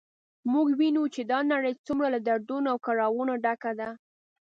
موږ وینو چې دا نړی څومره له دردونو او کړاوونو ډکه ده